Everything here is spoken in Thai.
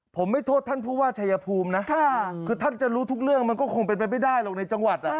ผมไม่โทษท่านผู้ว่าชายภูมินะคือท่านจะรู้ทุกเรื่องมันก็คงเป็นไปไม่ได้หรอกในจังหวัด